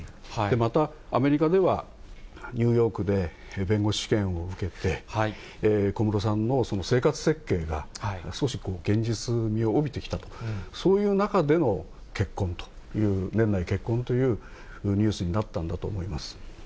また、アメリカでは、ニューヨークで弁護士試験を受けて、小室さんの生活設計が少し現実味をおびてきたと、そういう中での結婚という、年内結婚というニュースになったんだと思います。